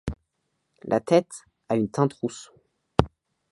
La tête a une teinte rousse.